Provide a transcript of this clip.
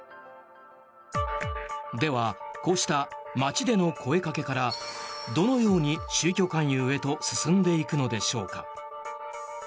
では、こうした街での声かけからどのように宗教勧誘へと進んでいくのでしょうか。